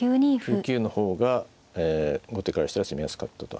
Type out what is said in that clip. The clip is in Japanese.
９九の方が後手からしたら攻めやすかったと。